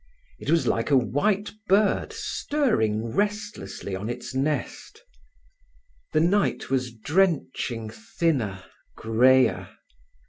It was like a white bird stirring restlessly on its nest. The night was drenching thinner, greyer.